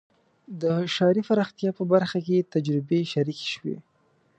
د ښاري پراختیا په برخه کې تجربې شریکې شوې.